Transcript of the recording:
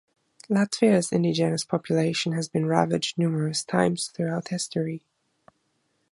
Latvia's indigenous population has been ravaged numerous times throughout history.